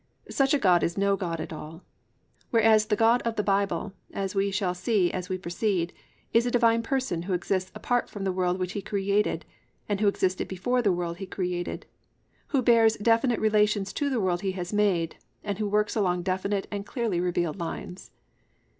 Such a God is no God at all. Whereas the God of the Bible, as we shall see as we proceed, is a Divine Person who exists apart from the world which He has created and Who existed before the world He created, Who bears definite relations to the world He has made and Who works along definite and clearly revealed lines.